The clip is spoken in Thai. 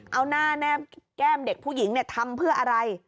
เอาหน้าแบมเด็กผู้หญิงทำเพื่ออะไร